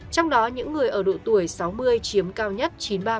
trong đó những người ở độ tuổi sáu mươi chiếm cao nhất chín mươi ba